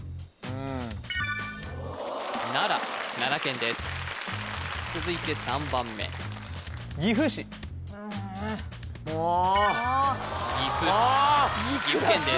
奈良奈良県です続いて３番目岐阜岐阜県です